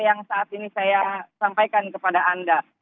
yang saat ini saya sampaikan kepada anda